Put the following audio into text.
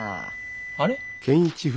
あれ？